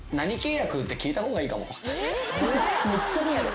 めっちゃリアル。